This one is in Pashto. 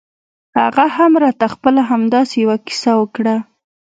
هغه هم راته خپله همداسې يوه کيسه وکړه.